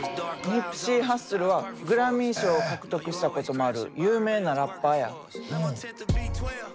ニプシー・ハッスルはグラミー賞を獲得したこともある有名なラッパーや。